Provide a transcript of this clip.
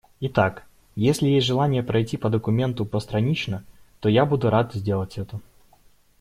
Итак, если есть желание пройти по документу постранично, то я буду рад сделать это.